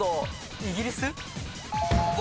イギリス？